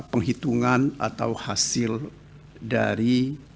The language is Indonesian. penghitungan atau hasil dari